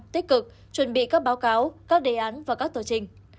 tích cực chuẩn bị các báo cáo các đề án và các tờ trình